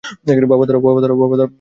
বাবা, দাঁড়াও।